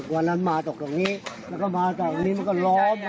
วันนั้นมาตกตรงนี้แล้วก็มาจากตรงนี้มันก็ล้อม